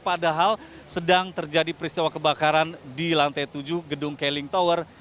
padahal sedang terjadi peristiwa kebakaran di lantai tujuh gedung keling tower